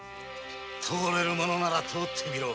通れるものなら通ってみろ！